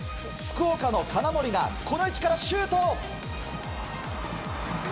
福岡の金森がこの位置からシュート。